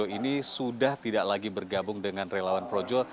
jadi ini sudah tidak lagi bergabung dengan relawan projo